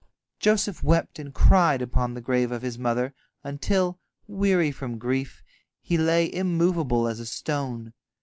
Joseph wept and cried upon the grave of his mother, until, weary from grief, he lay immovable as a stone.